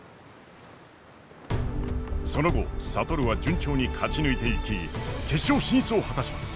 その後智は順調に勝ち抜いていき決勝進出を果たします。